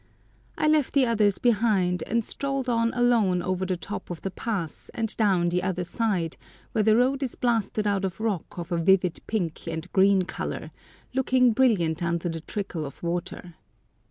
I left the others behind, and strolled on alone over the top of the pass and down the other side, where the road is blasted out of rock of a vivid pink and green colour, looking brilliant under the trickle of water.